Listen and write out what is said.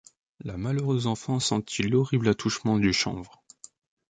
La malheureuse enfant sentit l’horrible attouchement du chanvre.